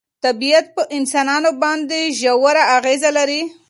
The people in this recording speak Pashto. طبیعت په انسانانو باندې ژوره اغېزه لري.